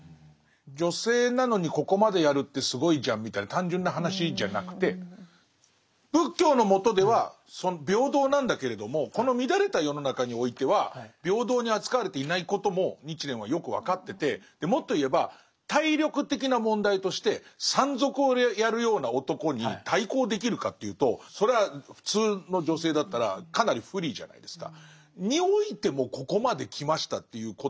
女性なのにここまでやるってすごいじゃんみたいな単純な話じゃなくて仏教の下では平等なんだけれどもこの乱れた世の中においてはもっと言えば体力的な問題として山賊をやるような男に対抗できるかというとそれは普通の女性だったらかなり不利じゃないですか。